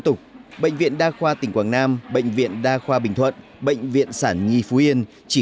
tục bệnh viện đa khoa tỉnh quảng nam bệnh viện đa khoa bình thuận bệnh viện sản nhi phú yên chỉ